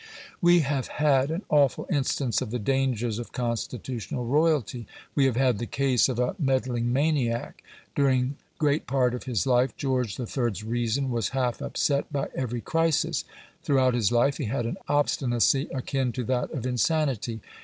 We have had an awful instance of the dangers of constitutional royalty. We have had the case of a meddling maniac. During great part of his life George III.'s reason was half upset by every crisis. Throughout his life he had an obstinacy akin to that of insanity.